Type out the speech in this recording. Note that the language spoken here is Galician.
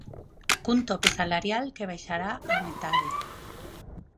Cun tope salarial que baixará á metade.